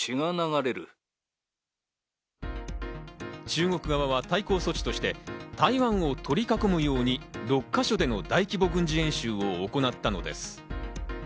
中国側は対抗措置として台湾を取り囲むように、６か所での大規模軍事演習を行ったのです。